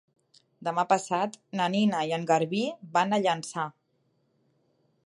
Demà passat na Nina i en Garbí van a Llançà.